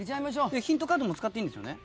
ヒントカードも使っていいんですよね？